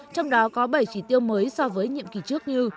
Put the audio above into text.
trong đó có bảy chỉ tiêu mới so với nhiệm kỳ trước như